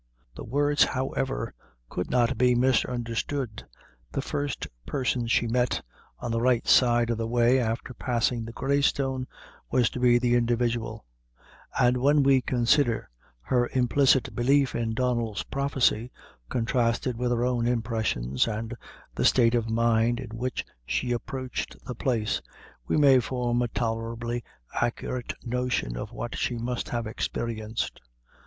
The words, however, could not be misunderstood; the first person she met, on the right hand side of the way, after passing the Grey Stone, was to be the individual; and when we consider her implicit belief in Donnel's prophecy, contrasted with her own impressions and the state of mind in which she approached the place, we may form a tolerably accurate notion of what she must have experienced.